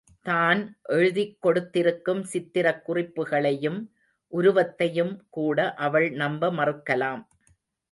தான் எழுதிக் கொடுத்திருக்கும் சித்திரக் குறிப்புகளையும் உருவத்தையும் கூட அவள் நம்ப மறுக்கலாம்.